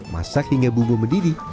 masak hingga bumbu mendidih